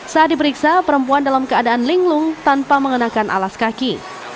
saat diperiksa perempuan dalam keadaan linglung tanpa mengenakan alas kaki